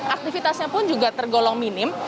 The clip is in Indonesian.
aktivitasnya pun juga tergolong minim